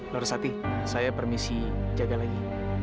lorosati saya permisi jaga lagi